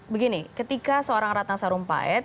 begini ketika seorang ratna sarumpait